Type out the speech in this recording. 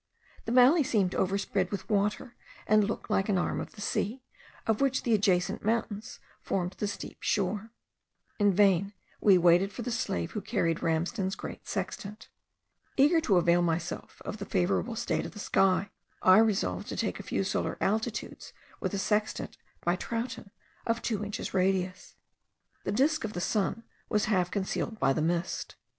The valley seemed overspread with water, and looked like an arm of the sea, of which the adjacent mountains formed the steep shore. In vain we waited for the slave who carried Ramsden's great sextant. Eager to avail myself of the favourable state of the sky, I resolved to take a few solar altitudes with a sextant by Troughton of two inches radius. The disk of the sun was half concealed by the mist.